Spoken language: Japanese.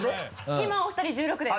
今お二人１６です。